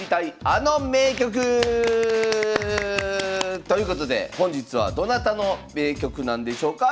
あの名局！ということで本日はどなたの名局なんでしょうか。